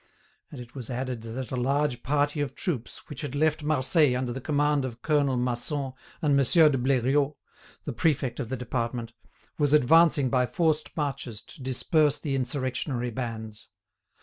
And it was added that a large party of troops, which had left Marseilles under the command of Colonel Masson and Monsieur de Bleriot, the prefect of the department, was advancing by forced marches to disperse the insurrectionary bands.